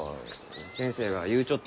先生が言うちょっ